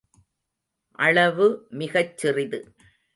அளவு மிகச் சிறிது.